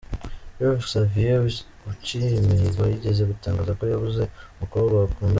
Rev Xavier Uciyimihigo yigeze gutangaza ko yabuze umukobwa bakundana.